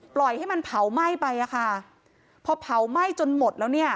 ปล่อยให้มันเผาไหม้ไปอ่ะค่ะพอเผาไหม้จนหมดแล้วเนี่ย